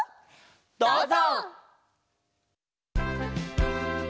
どうぞ！